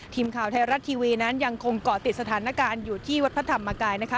ทีมข่าวไทยรัฐทีวีนั้นยังคงเกาะติดสถานการณ์อยู่ที่วัดพระธรรมกายนะคะ